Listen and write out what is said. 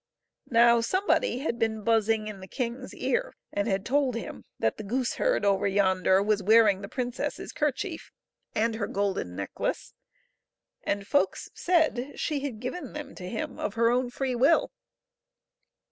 Now, somebody had been buzzing in the king's ear, and had told him that the gooseherd over yonder was wearing the princess's kerchief and her golden necklace, and folks said she had given them to him of her own free will.